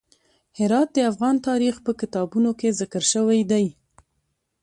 هرات د افغان تاریخ په کتابونو کې ذکر شوی دی.